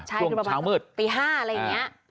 ช่วงเช้าเมิดปี๕อะไรอย่างนี้